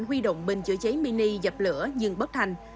huy động bình chữa cháy mini dập lửa nhưng bất thành